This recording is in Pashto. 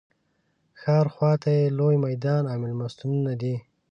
ښار خواته یې لوی میدان او مېلمستونونه دي.